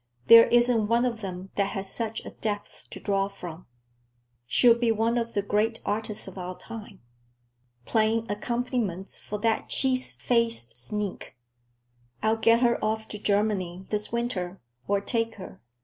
There isn't one of them that has such a depth to draw from. She'll be one of the great artists of our time. Playing accompaniments for that cheese faced sneak! I'll get her off to Germany this winter, or take her.